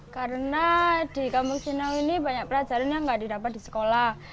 karena di kampung sinaw ini banyak pelajaran yang tidak didapat di sekolah